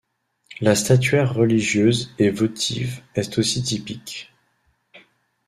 La statuaire religieuse et votive est aussi typique.